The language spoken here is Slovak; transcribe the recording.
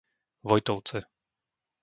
Vojtovce